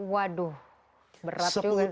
waduh berat juga itu